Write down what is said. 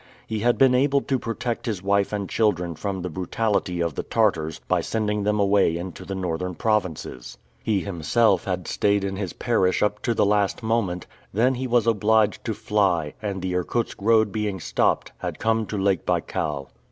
He had been able to protect his wife and children from the brutality of the Tartars by sending them away into the Northern provinces. He himself had stayed in his parish up to the last moment; then he was obliged to fly, and, the Irkutsk road being stopped, had come to Lake Baikal.